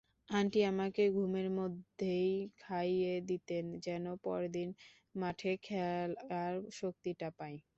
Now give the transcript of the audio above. Aunty আমাকে ঘুমের মধ্যেই খাইয়ে দিতেন, যেন পরদিন মাঠে খেলার শক্তিটা পাই।